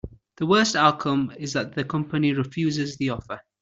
The worst outcome is that the company refuses the offer.